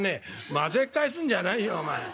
「混ぜっ返すんじゃないよお前」。